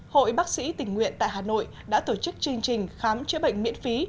hội bác sĩ tình nguyện tại hà nội đã tổ chức chương trình khám chữa bệnh miễn phí